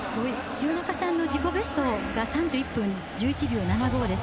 廣中さんの自己ベストが３１分１１秒７５です。